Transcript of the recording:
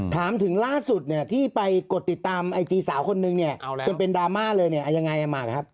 ถามถึงล่าสุดเนี่ยที่ไปกดติดตามไอจีสาวคนนึงเนี่ยจนเป็นดราม่าเลยเนี่ยยังไงมานะครับ